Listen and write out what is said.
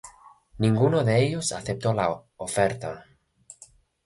Ninguno de ellos aceptó la oferta.